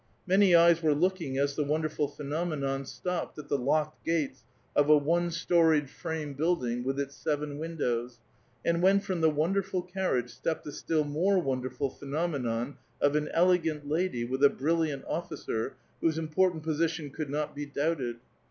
Many eyes were looking as the wonderful phenomenon stopped at the locked gates of a one storied, frame building, with its seven windows, and when from the wonderful carriage stepped the still more wonderful phenomenon of an elegant lady, with a brilliant officer, whose important position could not be doubted.